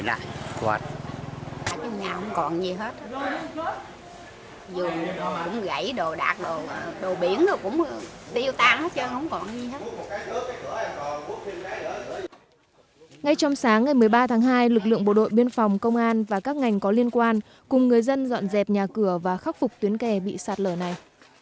ngay trong sáng ngày một mươi ba tháng hai lực lượng bộ đội biên phòng công an và các ngành có liên quan cùng người dân dọn dẹp nhà cửa và khắc phục tuyến kè bị sạt lở này